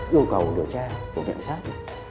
yêu cầu điều tra của viện sát